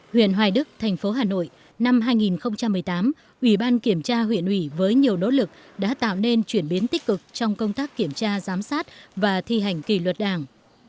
huyện hoài đức thành phố hà nội năm hai nghìn một mươi tám ủy ban kiểm tra huyện ủy với nhiều nỗ lực đã tạo nên chuyển biến tích cực trong công tác kiểm tra giám sát và thi hành kỷ luật đảng